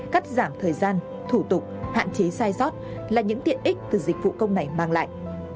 cắt giảm thời gian thủ tục hạn chế sai sót là những tiện ích từ dịch vụ công này mang lại